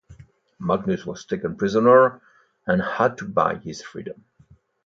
Magnus was taken prisoner, and had to buy his freedom.